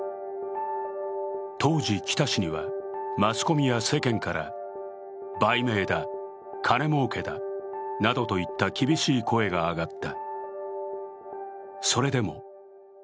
当時、北氏には、マスコミや世間から売名だ、金もうけだなどといった厳しい声が上がった。